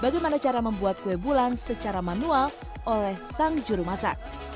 gimana cara membuat kue bulan secara manual oleh sang jurumasak